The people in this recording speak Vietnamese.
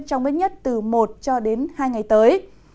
trong ít nhất từ một cho đến hai ngày tới